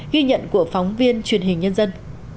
ghi nhận của phóng viên truyền hình nhân dân